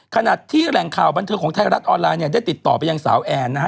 ขณะที่แหล่งข่าวบันเทิงของไทยรัฐออนไลน์เนี่ยได้ติดต่อไปยังสาวแอนนะฮะ